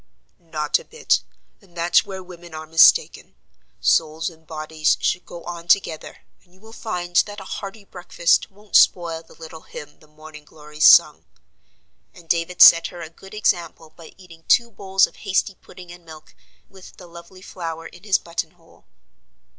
"Not a bit; and that's where women are mistaken. Souls and bodies should go on together; and you will find that a hearty breakfast won't spoil the little hymn the morning glories sung;" and David set her a good example by eating two bowls of hasty pudding and milk, with the lovely flower in his button hole.